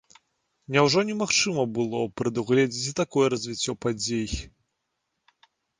Няўжо немагчыма было прадугледзіць і такое развіццё падзей?